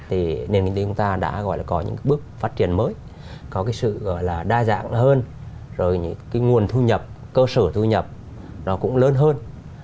thì nền kinh tế chúng ta đã gọi là có những bước phát triển mới có cái sự gọi là đa dạng hơn rồi những cái nguồn thu nhập cơ sở thu nhập nó cũng lớn hơn